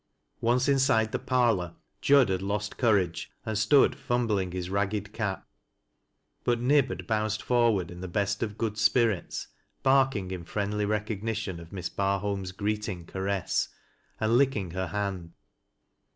Once inside the parlor, Jud had lost courage and stood fum bling his ragged cap, but Nib had bounced forward, in the best of good spirits, barking in friendly recognition of Miss Barholm's greeting caress, and licking her hand.